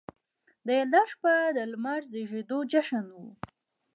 د یلدا شپه د لمر د زیږیدو جشن و